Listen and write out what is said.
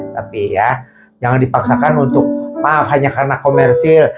tapi ya jangan dipaksakan untuk maaf hanya karena komersil